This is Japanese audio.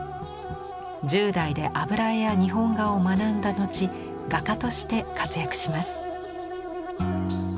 １０代で油絵や日本画を学んだ後画家として活躍します。